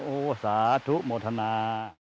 โอ้สาธุโมทนา